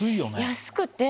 安くて。